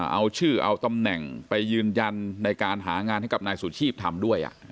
เอาชื่อเอาตำแหน่งไปยืนยันในการหางานให้กับนายสุชีพทำด้วย